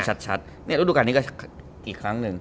ชัดเนี่ยฤดูการนี้ก็อีกครั้งหนึ่ง